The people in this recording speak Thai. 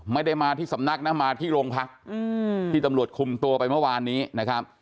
ไม่ได้มาที่สำนักนะมาที่โรงพักที่ตำรวจคุมตัวไปเมื่อวานนี้นะครับ